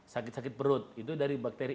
sakit sakit perut itu dari bakteri